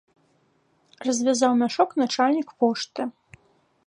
Развязаў мяшок начальнік пошты.